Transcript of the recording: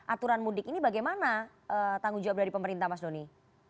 aturan mudik ini bagaimana tanggung jawab dari pemerintah mas doni